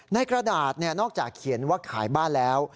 กระดาษนอกจากเขียนว่าขายบ้านแล้ว